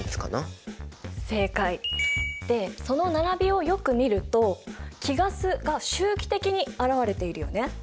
正解！でその並びをよく見ると貴ガスが周期的に現れているよね？